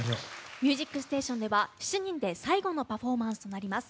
「ミュージックステーション」では７人で最後のパフォーマンスとなります。